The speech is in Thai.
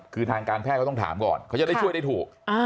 คือทางการแพทย์เขาต้องถามก่อนเขาจะได้ช่วยได้ถูก